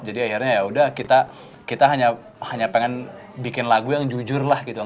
jadi akhirnya yaudah kita hanya pengen bikin lagu yang jujur lah gitu